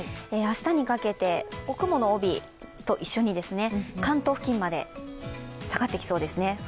明日にかけて雲の帯と一緒に関東付近まで、下がってきそうですね。